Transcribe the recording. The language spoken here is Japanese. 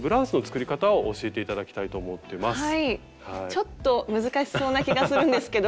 ちょっと難しそうな気がするんですけど。